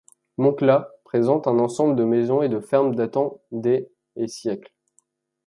Moncla présente un ensemble de maisons et de fermes datant des et siècles.